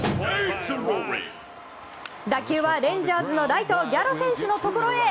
打球はレンジャーズのライトギャロ選手のところへ。